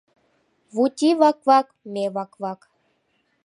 Вути вак-вак — ме вак-вак